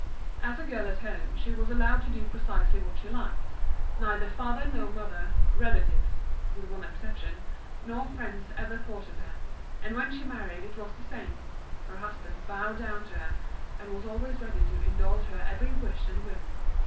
As a girl at home she was allowed to do precisely what she liked neither father nor mother, relatives (with one exception) nor friends ever thwarted her; and when she married it was the same: her husband bowed down to her, and was always ready to indulge her every wish and whim.